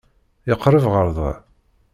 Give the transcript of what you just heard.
Yeqreb ɣer da?